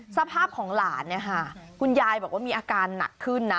สภาพของหลานเนี่ยค่ะคุณยายบอกว่ามีอาการหนักขึ้นนะ